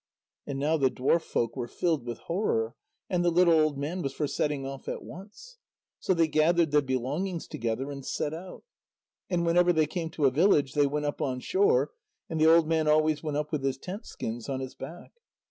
And now the dwarf folk were filled with horror, and the little old man was for setting off at once. So they gathered their belongings together and set out. And whenever they came to a village, they went up on shore, and the old man always went up with his tent skins on his back.